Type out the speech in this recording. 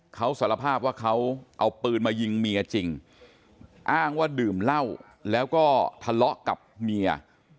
เขาสารภาพว่าเขาเอาปืนมายิงเมียจริงอ้างว่าดื่มเหล้าแล้วก็ทะเลาะกับเมีย